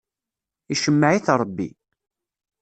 Icemmeɛ-it Ṛebbi.